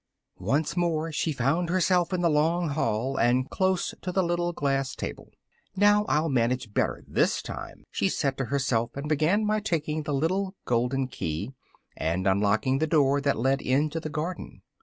Once more she found herself in the long hall, and close to the little glass table: "now, I'll manage better this time" she said to herself, and began by taking the little golden key, and unlocking the door that led into the garden.